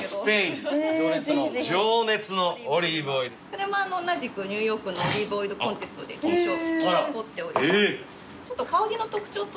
これも同じくニューヨークのオリーブオイルコンテストで金賞取っております。